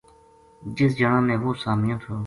جس جنا نے وہ سامیو تھو